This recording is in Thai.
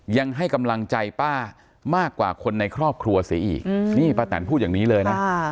ยังให้กำลังใจป้ามากกว่าคนในครอบครัวเสียอีกนี่ป้าแตนพูดอย่างนี้เลยนะ